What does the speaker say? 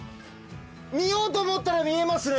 見ようと思ったら見えますね